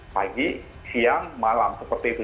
pagi siang malam seperti itu